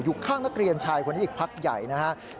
อยู่ข้างนักเรียนชายคนนี้อีกพักใหญ่นะครับ